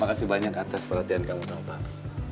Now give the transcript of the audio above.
makasih banyak atas perhatian kamu sama papi